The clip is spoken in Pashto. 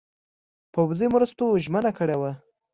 پوځي مرستو ژمنه کړې وه.